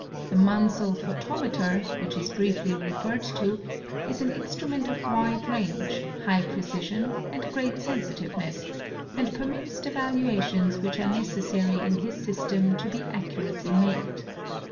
The Munsell photometer, which is briefly referred to, is an instrument of wide range, high precision, and great sensitiveness, and permits the valuations which are necessary in his system to be accurately made.